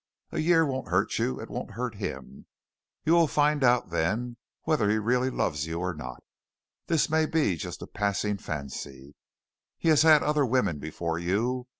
A year won't hurt you. It won't hurt him. You will find out then whether he really loves you or not. This may just be a passing fancy. He has had other women before you.